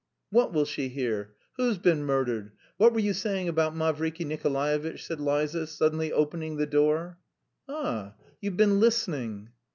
"What will she hear? Who's been murdered? What were you saying about Mavriky Nikolaevitch?" said Liza, suddenly opening the door. "Ah! You've been listening?"